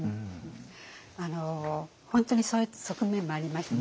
本当にそういった側面もありますね。